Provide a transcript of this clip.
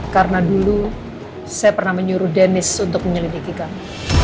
karena dulu saya pernah menyuruh dennis untuk menyelidiki kamu